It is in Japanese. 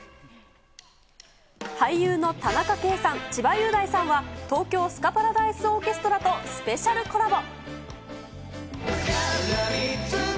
俳優の田中圭さん、千葉雄大さんは、東京スカパラダイスオーケストラとスペシャルコラボ。